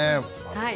はい。